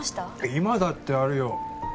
今だってあるよ